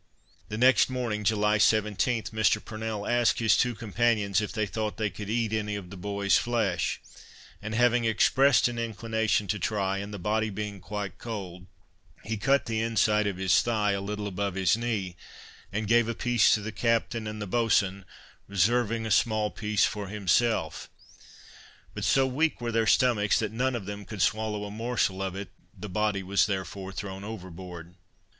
The next morning, July 17, Mr. Purnell asked his two companions if they thought they could eat any of the boy's flesh; and having expressed an inclination to try, and the body being quite cold, he cut the inside of his thigh, a little above his knee, and gave a piece to the captain and boatswain, reserving a small piece for himself; but so weak were their stomachs that none of them could swallow a morsel of it, the body was therefore thrown overboard.